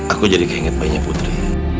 aku jadi keinget banyak putri